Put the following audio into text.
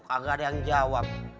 kagak ada yang jawab